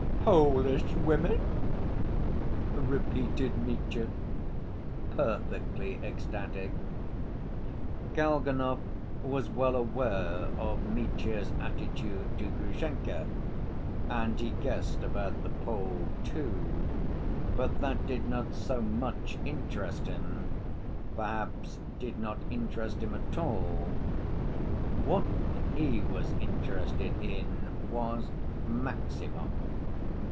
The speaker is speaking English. "Polish women?" repeated Mitya, perfectly ecstatic. Kalganov was well aware of Mitya's attitude to Grushenka, and he guessed about the Pole, too, but that did not so much interest him, perhaps did not interest him at all; what he was interested in was Maximov.